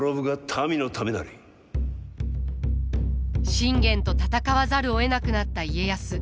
信玄と戦わざるをえなくなった家康。